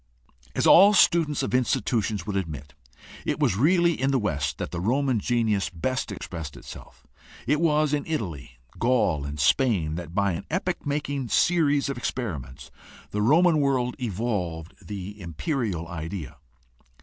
As all students of institutions would admit, it was really in the West that the Roman genius best expressed itself. It was in Italy, Gaul, and Spain that by an epoch making series of experiments the Roman world evolved the imperial idea.